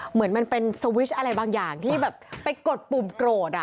เหมือนมันเป็นสวิชอะไรบางอย่างที่แบบไปกดปุ่มโกรธ